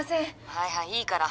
はいはいいいから。